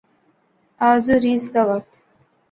Azores کا وقت